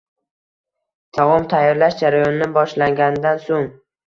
Taom tayyorlash jarayoni boshlanganidan so’ng